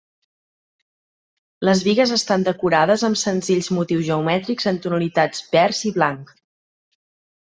Les bigues estan decorades amb senzills motius geomètrics en tonalitats vers i blanc.